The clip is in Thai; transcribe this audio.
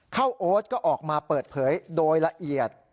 โอ๊ตก็ออกมาเปิดเผยโดยละเอียด